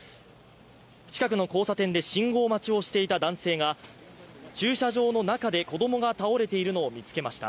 近くの交差点で信号待ちをしていた男性が駐車場の中で子供が倒れているのを見つけました。